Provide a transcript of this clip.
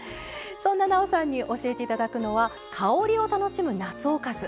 そんななおさんに教えていただくのは「香りを楽しむ夏おかず」です。